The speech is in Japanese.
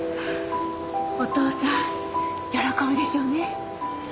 お父さん喜ぶでしょうね！